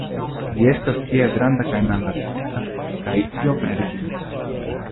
Li estas tia granda kaj mallerta, kaj iom ridinda.